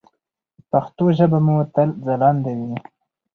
پښتو ژبه مو تل ځلانده وي.